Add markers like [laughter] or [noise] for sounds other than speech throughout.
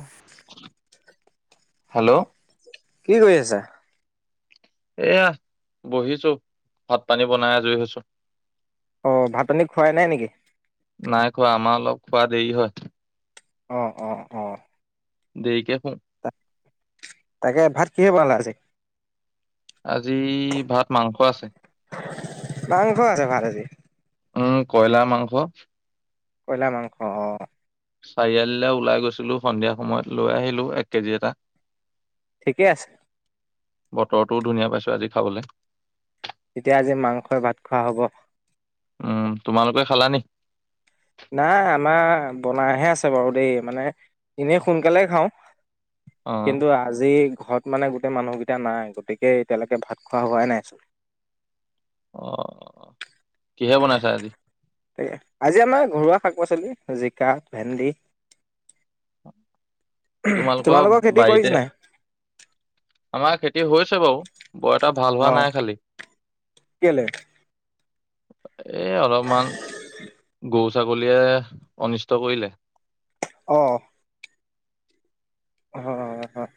আহ হেল্ল' কি কৰি আছা এয়া বহিছো ভাত পানী বনাই আজুৰি হৈছো অ ভাতনি খুৱাই নাই নেকি নাই খোৱা আমাৰ অলপ খোৱা দেৰি হয় অ ', -অ ', - অ ', দেইকে হয় তাকে ভাত কিহৰে বনালা আজি? আজি, ভাত মাংস আছে। মাংস আছে ভাত আজি । উম ', কয়লাৰ মাংস। কয়লাৰ মাংস অ ', চাৰিআলিলৈ ওলাই গৈছিলো সন্ধিয়া সময়ত লৈ আহিলো এক কেজি এটা। ঠিকেই আছে। বতৰটোও ধুনীয়া পাইছোঁ আজি খাবলৈ। তেতিয়া আজি মাংসই ভাত খোৱা হ'ব। উম', তোমালোকে খালা নি? নাই আমাৰ বনাইহে আছে বাৰু দেই মানে এনে সোনকালে খাওঁ। অ কিন্তু আজি, ঘৰত মানে গোটেই মানুহকেইটা নাই গতিকে এতিয়ালৈকে ভাত খোৱা হোৱাই নাই আছিল। অ ', কিহে বনাইছা আজি? তাকে আজি আমাক ঘৰুৱা শাক পাচলি জিকা, ভেন্দি, তোমালোকৰ খেতি কৰিছে নাই? আমাৰ খেতি হৈছে বাৰু। বৰটা ভাল হোৱা অ', নাই খালি। কেলে? এ', অলপমান গছ ছাগলীয়ে অনিষ্ট কৰিলে। অঁ', অ', - অ', - অ ',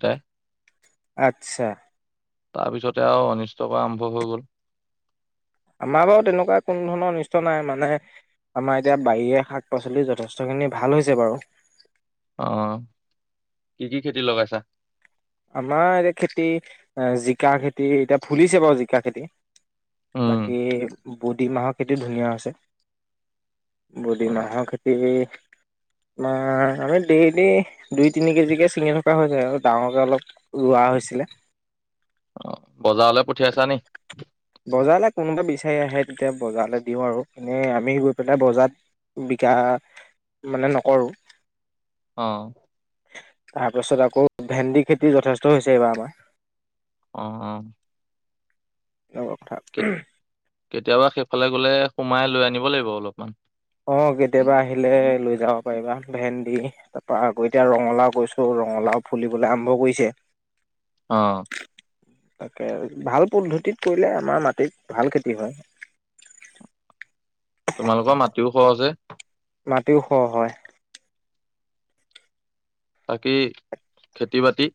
ত', আচ্ছা, তাৰপিছতে আৰু অনিষ্ট কৰা আৰম্ভ হৈ গ'ল। আমাৰ বাৰু তেনেকুৱা কোনো ধৰণৰ অনিষ্ট নাই মানে আমাৰ এতিয়া বাৰিৰে শাক পাচলি যথেষ্টখিনি ভাল হৈছে বাৰু। অ', কি- কি খেতি লগাইছা? আমাৰ এতিয়া খেতি জিকা খেতি এতিয়া ফুলিছে বাৰু জিকা খেতি। উম, বাকী বডি মাহৰ খেতি ধুনীয়া আছে। অ', বুডিমাহৰ খ এই', আমাৰ আমি ডেইলি -ডেইলি দুই তিনি কেজিকৈ ছিঙি থকা হৈ যায় আৰু ডাঙৰকৈ অলপ, ৰোৱা হৈছিলে। অ', বজাৰলৈ পঠিয়াইছা নি? বজাৰলৈ কোনোবা বিচাৰি আহে তেতিয়া বজাৰলৈ দিওঁ আৰু এনেই আমি গৈ পেলাই বজাৰত বিকা মানে নকৰোঁ। অ', তাৰপাছত আকৌ ভেন্দি খেতি যথেষ্ট হৈছে এইবাৰ আমাৰ। অ', -অ ', লগবৰ কথা কেতিয়াবা সেইফালে গ'লে সোমাই লৈ আনিব লাগিব অলপমান অঁ কেতিয়াবা আহিলে লৈ যাব পাৰিবা ভেন্দি তাৰ পৰা আকৌ এতিয়া ৰঙালাও কৰিছোঁ ৰঙালাও ফুলিবলৈ আৰম্ভ কৰিছে অ তাকে ভাল পদ্ধতিত কৰিলে আমাৰ মাটিত ভাল খেতি হয় তোমালোকৰ মাটিও সৰহ যে মাটিও ওখ হয় বাকী খেতি বাতি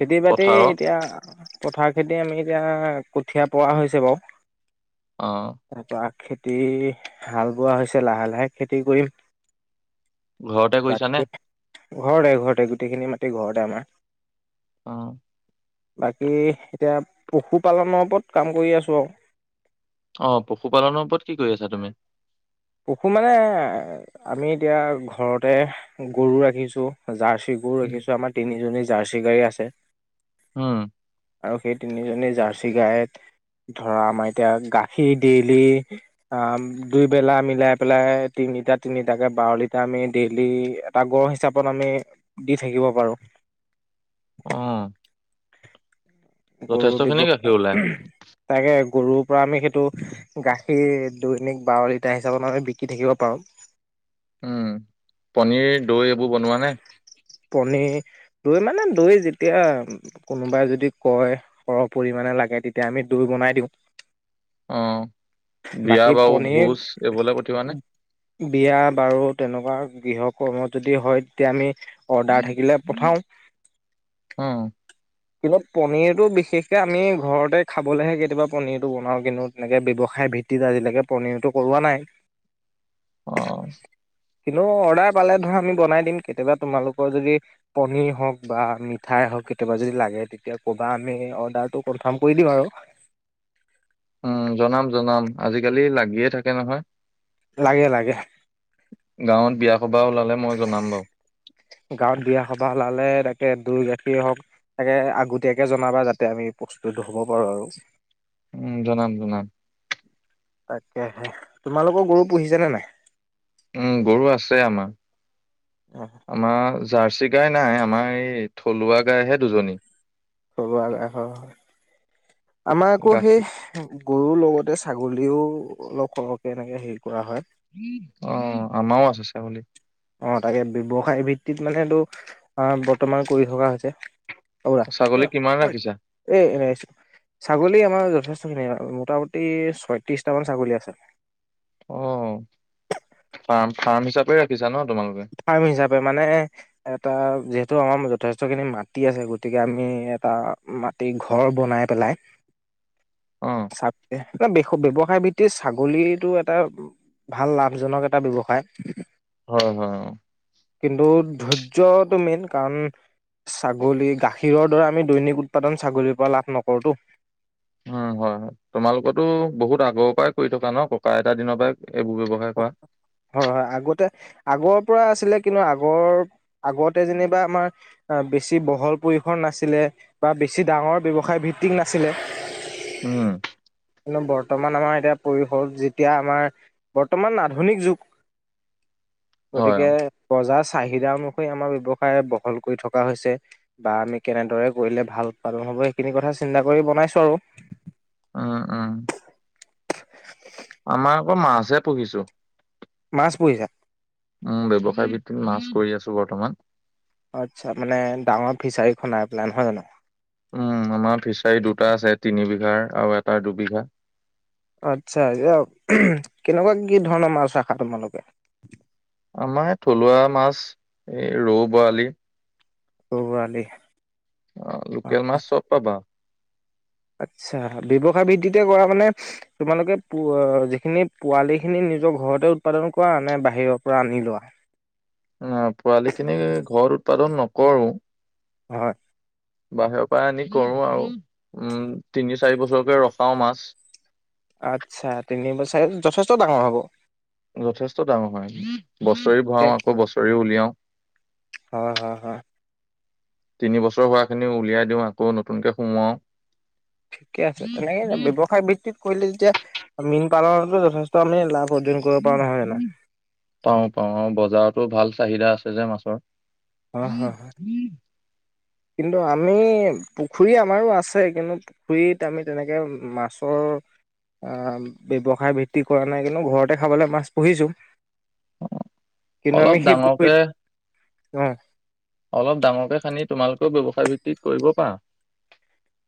খেতি বাতি পথাৰৰ এতিয়া পথাৰ খেতি আমি এতিয়া কঠীয়া পৰা হৈছে অ', বাৰু এটা [unintelligible] খেতি হাল বোৱা হৈছে লাহে লাহে খেতি কৰিম ঘৰতে কৰিছে বাকী নে ঘৰতে ঘৰতে গোটেইখিনি মাতি ঘৰতে আমাৰ অ বাকী এতিয়া পশুপালনৰ ওপৰত কাম কৰি আছোঁ আৰু অ পশুপালনৰ ওপৰত কি কৰি আছা তুমি পশু মানে আমি এতিয়া ঘৰতে গৰু ৰাখিছো জাৰ ৰাখিছো আমাৰ তিনিজনী জাৰ্চি গাই আছে উম আৰু সেই তিনিজনী জাৰ্চি গাইত ধৰা আমাৰ এতিয়া গাখীৰ দেইলি আ দুই বেলা মিলাই পেলাই তিনিটা তিনিটাকৈ বাৰ লিটাৰ আমি ডেইলি এটা গড় হিচাপত আমি দি থাকিব পাৰোঁ অ', গৰু যথেষ্ট খিনি গাখীৰ ওলাই, ব্যৱহাৰ তাকে গৰু পৰা আমি সেইটো গাখীৰ দৈনিক বাৰ টাৰ হিচাপত আমি বিকি থাকিব পাৰোম উম পনীৰ দৈ এইবোৰ বনোৱা নে পনীৰ দৈ মানে দৈ যেতিয়া কোনোবাই যদি কয় সৰহ পৰিমাণে লাগে তেতিয়া আমি দৈ বনাই দিওঁ অ', বিয়া বাকী বাৰু পনীৰ ভোজ এইবোৰলে পঠিওৱা নে? বিয়া বাৰু তেনেকুৱা গৃহ কৰ্ম যদি হয় তেতিয়া আমি অৰ্ডাৰ থাকিলে উম পঠাও অ কিন্তু পনীৰটো বিশেষকে আমি ঘৰতে খাবলৈহে কেতিয়াবা পনীৰটো বনাওঁ কিন্তু তেনেকে ব্যৱসায় ভিত্তিত আজিলৈকে পনীৰটো কৰোৱা নাই অহ কিন্তু অৰ্ডাৰ পালে ধৰা আমি বনাই দিম কেতিয়াবা তোমালোকৰ যদি পনীৰ হওঁক বা মিঠাই হওঁক কেতিয়াবা যদি লাগে তেতিয়া ক'বা আমি অৰ্ডাৰটো কনফাৰ্ম কৰি দিম আৰু উম জনাম জনাম আজিকালি লাগিয়ে থাকে নহয় লাগে লাগে গাঁৱত বিয়া সবাহ ওলালে মই জনাম বাৰু গাঁৱত বিয়া সবাহ ওলালে ত দৈ গাখীৰ হওক তাকে আগতীয়াকে জনাবা যাতে আমি প্ৰস্তুত হব পাৰো আৰু উম জনাম জনাম তাকেহে তোমালোকৰ গৰু পুহিছে নে নাই উম গৰু আছে আমাৰ অ আমাৰ জাৰ্চি গাই নাই আমাৰ এই থলুৱা গাইহে দুজনী খবৰ লব আহে আমাৰ আকৌ গাখীৰ সেই গৰুৰ লগতে ছাগলীও অলপ সৰহকৈ এনেকৈ হেৰি কৰা হয় অ আমাৰও আছে ছাগলী অ তাকে ব্যৱসায় ভিত্তিত মানে এইটো বৰ্তমান কৰি থকা হৈছে অ বৰা ছাগলী ক কিমান পা ৰাখিছা আহিছ এ এনে ছাগলী আমাৰ যথেষ্ট মোটামুটি ছয়ত্ৰিশটা মান ছাগলী আছে অ ফাৰ্ম ফাৰ্ম হিচাপে ৰাখিছা ন তোমালোকে ফাৰ্ম হিচাপে মানে এটা যিহেতু টো আমাৰ যথেষ্টখিনি মাটি আছে গতিকে আমি এটা মাটি ঘৰ বনাই পেলাই অ চাগে এ ব্য ব্যৱস সায় ভিত্তিত ছাগলীটো এটা ভাল লাভজনক এটা ব্যৱসায় হয় হয় কিন্তু ধৈৰ্যটো মেইন কাৰণ ছাগলী গাখীৰৰ দৰে আমি দৈনিক উৎপাদন ছাগলীৰ পৰা লাভ নকৰোতো উম হয় হয় তোমালোকতো বহুত আগৰ পৰাই কৰি থকা ন ককা আইটা দিনৰ পৰা হয় হয় আগতে আগৰ পৰা আছিলে কিন্তু আগৰ আগতে যেনিবা আমাৰ বেছি বহল পৰিসৰ নাছিলে বা বেছি ডাঙৰ ব্যৱসায় ভিত্তিক নাছিলে উম কিন্তু বৰ্তমান আমাৰ তিয়া পৰিশল যেতিয়া আমাৰ বৰ্তমান আধুনিক যুগ হয় গতিকে অ বজাৰ চাহিদা অনুসৰি আমাৰ ব্যৱসায় বহল কৰি থকা হৈছে বা আমি কেনেদৰে কৰিলে ভাল উৎপাদন হব সেইখিনি কথা চিন্তা কৰি বনাইছো আৰু উম উম অ মাছে পুহিছো মাছ পুহিছা? উম ব্যৱসায় মাছ কৰি আছো বৰ্তমান আচ্ছা মানে ডাঙৰ ফিচাৰী খনাই পেনাই মানে নহয় জানো আমাৰ ফিছাৰী দুটা আছে তিনিবিঘা আৰু এটা দুবিঘা আচ্ছা এয়া কেনেকুৱা কি ধৰণৰ মাছ ৰাখা তোমালোকে আমাৰ থলুৱা মাছ এই ৰৌ বৰালি বৰালি অ লোকেল মাছ চব পাবা আচ্ছা ব্যৱসায় ভিত্তিতে কৰা মানে তোমালোকে যিখিনি পোৱালিখিনি নিজৰ ঘৰতে উৎপাদন কৰা নে বাহিৰৰ পৰা আনি লোৱা অ পোৱালি খিনি ঘৰত উৎপাদন নকৰো হয় বাহিৰৰ পৰা আনি কৰো আৰু উম তিনি চাৰি বছৰকে ৰখাও মাছ আচ্ছা তিনি বছাৰ যথেষ্ট ডাঙৰ হ'ব যথেষ্ট দাঙ হয় বছৰি ভৰাও হয় আকৌ বছৰিও উলিয়াও হয় হয় তিন বছৰ হোৱাখিনি উলিয়াই দিও আকৌ নতুনকে সুমুৱাও ঠিকে আছে তেনেকে ব্যৱসায় বৃত্তিত কৰিলে তেতিয়া মীন পালনতো যথেষ্ট আমি লাভ অৰ্জন কৰিব পাৰো নহয় জানো পাও পাও অ বজাৰত টো ভাল চাহিদা আছে যে মাছৰ হয় হয় কিন্তু আমি পুখুৰী আমাৰো আছে কিন্তু পুখুৰীত আমি তেনেকে মাছৰ ব্যৱসায় ভিত্তি কৰা নাই কিন্তু ঘৰতে খাবলৈ মাছ পুহিছোঁ কিন্তু অলপ আমি সেই ডাঙৰকে পুখুৰীত অঁ অলপ ডাঙৰকে খান্দি তোমালোকেও ব্যৱসায় ভিত্তিত কৰিব পাৰা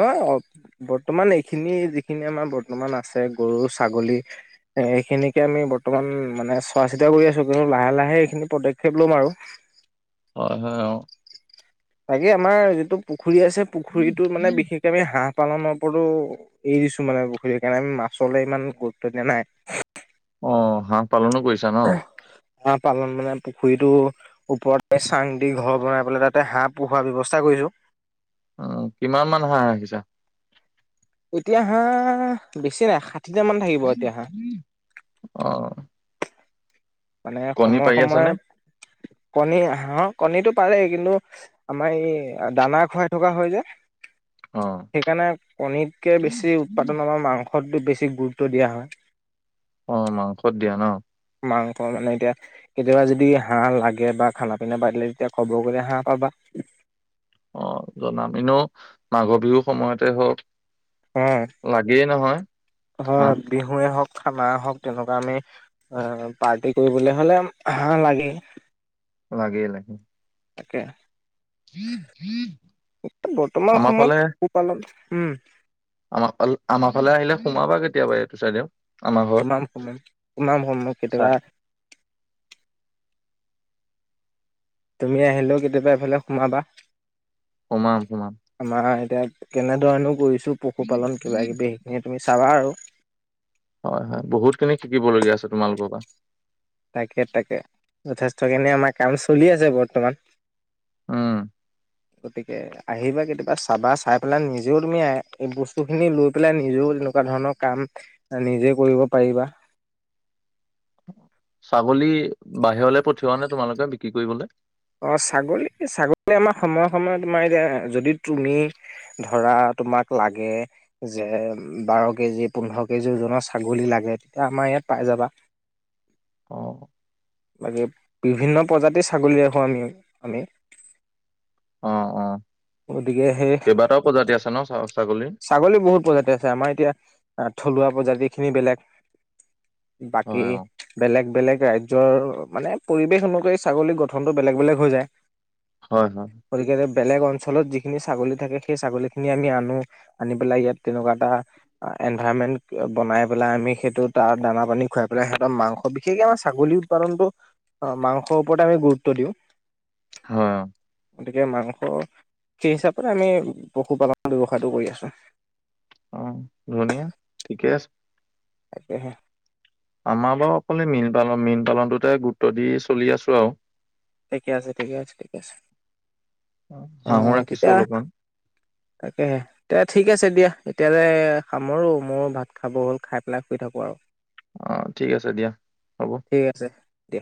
নহয় বৰ্তমান এইখিনি যিখিনি আমাৰ বৰ্তমান আছে গৰু ছাগলী এইখিনিকে আমি বৰ্তমান মানে চোৱা চিতা কৰি আছো কিন্তু লাহে লাহে এইখিনি পদক্ষেপ ল'ম আৰু হয় হয় অ তাকে আমাৰ যিটো পুখুৰী আছে পুখুৰীটোৰ মানে বিশেষকৈ আমি হাঁহ পালনৰ ওপৰতো এৰি দিছো মানে পুখুৰী কাৰণে আমি মাছলৈ ইমান গুৰুত্ব দিয়া নাই অ হাহ পালনো কৰিছা ন হাঁহ পালন মানে পুখুৰীটো ওপৰতে চাং দি ঘৰ বনাই পেলাই তাতে হাঁহ পোহাৰ ব্যৱস্থা কৰিছো অ কিমান মান হাঁহ ৰাখিছা এতিয়া হা বেছি নাই সাঠি আহ মানে সময়ে আছে সময়ে নে কণী হাহৰ কণীটো পাৰে কিন্তু আমাৰ এই দানা খুৱাই থকা হয় যে অ সেইকাৰণে কণীতকে বেছি উৎপাদন আমাৰ মাংস সটোত বেছি গুৰুত্ব দিয়া হয় অ মাংসত দিয়া ন মাংস মানে এতিয়া কেতিয়াবা যদি হাঁহ লাগে বা খানা পিনা পাতিলে তেতিয়া খবৰ কৰিলে হাঁহ পাবা অ জনাম এনেও মাঘৰ বিহুৰ সময়তে হওক লাগেই নহয় অ হাঁহ বিহুৱে হওক কাবা হওক তেনেকুৱা আমি এ পাৰ্টি কৰিবলৈ হলে হাঁহ লাগে। লাগেই। তাকে। এয়া বৰ্তমান আমাৰ ফালে সময়ত পোপালন। উম। আমাৰ ফাল আমাৰ ফালে আহিলে ।সোমাবা কেতিয়াবা এইটো চাইডে। সোমাম সোমাম সোমামসম চা কেতেবা। তুমি আহিলেও কেতিয়াবা এফালে সোমাবা। সোমাম সোমাম। আমাৰ এতিয়া কেনেধৰণও কৰিছে। পশুপালন কিবা কিবি সেইখিনিয়ে তুমি চাবা আৰু। হয় হয় বহুত খিনি শিকিবলগীয়া আছে তোমালোকৰ পৰা। তাকে তাকে। যথেষ্টখিনি আমাৰ কাম চলি আছে বৰ্তমান। উম। গতিকে আহিবা কেতিয়াবা চাবা চাই পেলাই নিজেও তুমি এই বস্তুখিনি লৈ পেলাই নিজেও এনেকুৱা ধৰণৰ কাম নিজে কৰিব পাৰিবা। ছাগলী বাহিৰলৈ পঠিওৱা নে তোমালোকে বিক্ৰী কৰিবলে। অ ছাগলী ছাগলী আমাৰ সময়ে সময়ে তোমাৰ এতিয়া যদি তুমি ধৰা তোমাক লাগে যে বাৰ কেজি পোন্ধৰ কেজি ওজনৰ ছাগলী লাগে তেতিয়া আমাৰ ইয়াত পাই যাবা। অ বাকী বিভিন্ন প্ৰজাতিৰ ছাগলী ৰাখোঁ আমি আমি। অ, অ। গতিকে সেই কেইবাটাও প্ৰজাতি আছে ন ছা ছা। ছাগলী বহুত প্ৰজাতি আছে আমাৰ এতিয়া। থলুৱা প্ৰজাতি খিনি বেলেগ। বাকী হয় অ বেলেগ বেলেগ। ৰাইজৰ মানে পৰিৱেশ অনুসৰি ছাগলী গঠনটো বেলেগ বেলেগ হৈ যায়। হয়, হয়। গতিকে বেলেগ অঞ্চলত যিখিনি ছাগলী থাকে। সেই ছাগলীখিনি আমি আনো। আনি পেলাই ইয়াত তেনেকুৱা এটা এনভাইৰনমেন্ট বনাই পেলাই। আমি সেইটো তাৰ দানা পানী খুৱাই পেলাই সিহঁত মাংস বিশেষকে আমাৰ ছাগলী উৎপাদন কৰো মাংসৰ ওপৰত আমি গুৰুত্ব দিওঁ। হয়, অ। গতিকে মাংস সেই হিচাপে আমি পশুপালনৰ ব্যৱসায়। টো কৰি আছো। অ ধুনীয়া ঠিকে আছে। তাকে হে। আমাৰ বাৰু অকলে মীন পালন মীন পালনটোতে গুৰুত্ব দি চলি আছো আৰু ঠিকে আছে ঠিকে আছে ঠিকে আছে। অ হাঁহো ৰাখিছো তেতিয়া অলপমান তাকে হে তেতিয়া ঠিক। ঠিক আছে দিয়া এতিয়ালৈ সামৰো মোৰ ভাত খাব হ'ল খাই পেলাই শুই থাকোঁ আৰু অ ঠিক আছে দিয়া হ'ব। ঠিক আছে দিয়া